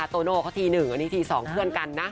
โตโน่เขาที๑อันนี้ที๒เพื่อนกันนะ